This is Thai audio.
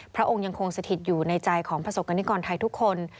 พระองค์ยังคงสถิตอยู่ในใจของประสบกรณิกรไทยทุกคน